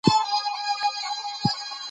وګړي د افغانستان د هیوادوالو لپاره ویاړ دی.